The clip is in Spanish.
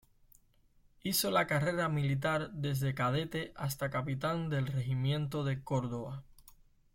Hizo la carrera militar desde cadete hasta capitán del Regimiento de Córdoba.